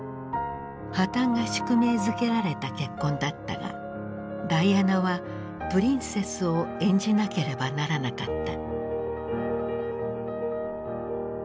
破綻が宿命づけられた結婚だったがダイアナはプリンセスを演じなければならなかった。